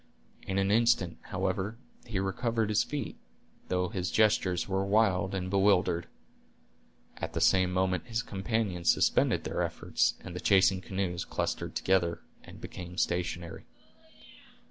In an instant, however, he recovered his feet, though his gestures were wild and bewildered. At the same moment his companions suspended their efforts, and the chasing canoes clustered together, and became stationary.